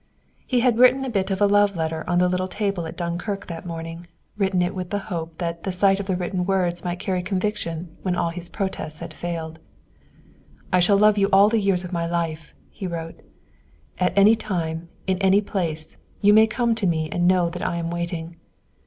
He had written a bit of a love letter on the little table at Dunkirk that morning, written it with the hope that the sight of the written words might carry conviction where all his protests had failed. "I shall love you all the years of my life," he wrote. "At any time, in any place, you may come to me and know that I am waiting.